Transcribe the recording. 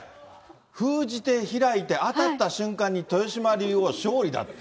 封じて開いて、当たった瞬間に、豊島竜王勝利だって。